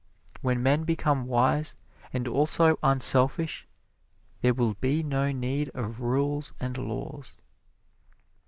When men become wise, and also unselfish, there will be no need of rules and laws."